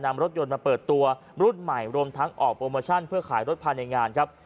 นำรถยนต์มาเปิดตัวรุ่นใหม่รวมทั้งออกโปรโมชั่นเพื่อขายรถภายในงานครับ